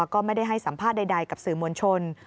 ก็ไม่ได้ให้สัมภาษณ์ใดกับสื่อมวลชน